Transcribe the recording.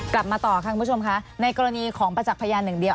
กลับมาต่อค่ะคุณผู้ชมค่ะในกรณีของประจักษ์พยานหนึ่งเดียว